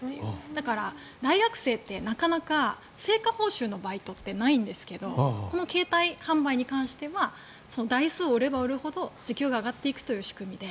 だから、大学生ってなかなか成果報酬のバイトってないんですけどこの携帯販売に関しては台数を売れば売るほど時給が上がっていくという仕組みで。